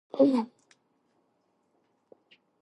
Several of his bridges have received architectural awards.